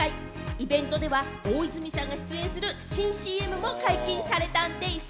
イベントでは大泉さんが出演する新ＣＭも解禁されたんです。